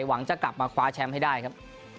หวังจะกลับมาคว้าแชมป์ให้ได้ครับ